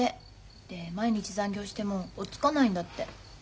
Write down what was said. で毎日残業してもおっつかないんだって。